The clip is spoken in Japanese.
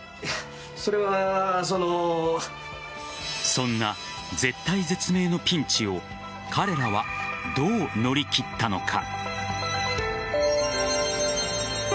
そんな絶体絶命のピンチを彼らはどう乗り切ったのか。